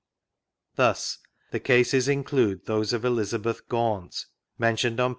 Thus: the cases include those of Elizabeth Gaunt (mentioned on pp.